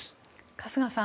春日さん